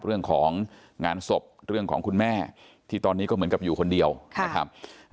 เรื่องของงานศพเรื่องของคุณแม่ที่ตอนนี้ก็เหมือนกับอยู่คนเดียวนะครับ